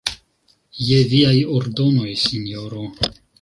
Je viaj ordonoj, sinjoro.